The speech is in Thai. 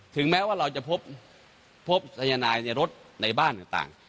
แม้ว่าเราจะพบสายนายในรถในบ้านต่าง